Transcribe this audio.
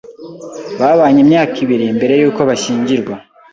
Babanye imyaka ibiri mbere yuko bashyingirwa.